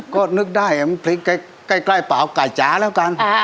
ก็นึกได้มันเพลงใกล้เปล่าไก่จ๋าแล้วกัน